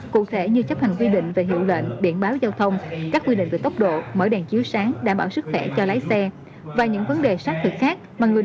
cụ thể như chấp hành quy định về hiệu lệnh biện báo giao thông